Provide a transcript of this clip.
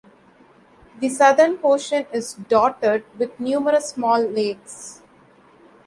The southern portion is dotted with numerous small lakes.